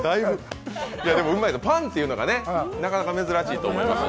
パンっていうのが、なかなか珍しいと思います。